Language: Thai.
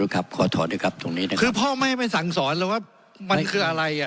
ขอถอนด้วยครับตรงนี้นะครับคือพ่อแม่ไปสั่งสอนเลยว่ามันคืออะไรอ่ะ